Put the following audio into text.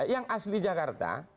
yang asli jakarta